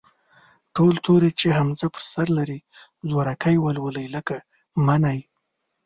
ټول توري چې همزه پر سر لري، زورکی ولولئ، لکه: مٔنی.